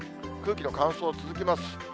空気の乾燥、続きます。